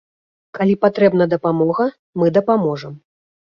Калі патрэбна дапамога, мы дапаможам.